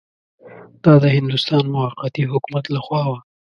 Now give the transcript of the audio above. دا د هندوستان موقتي حکومت له خوا وه.